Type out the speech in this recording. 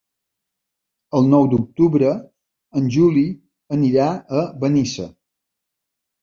El nou d'octubre en Juli anirà a Benissa.